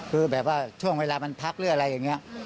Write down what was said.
คือแบบว่าช่วงเวลามันพักหรืออะไรอย่างนี้